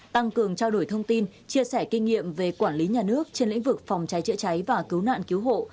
tăng cường trao đổi thông tin chia sẻ kinh nghiệm về quản lý nhà nước trên lĩnh vực phòng cháy chữa cháy và cứu nạn cứu hộ